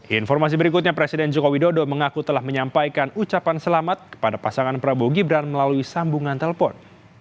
informasi berikutnya presiden joko widodo mengaku telah menyampaikan ucapan selamat kepada pasangan prabowo gibran melalui sambungan telepon